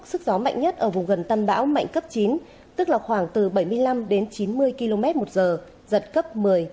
sức gió mạnh nhất ở vùng gần tâm bão mạnh cấp chín tức là khoảng từ bảy mươi năm đến chín mươi km một giờ giật cấp một mươi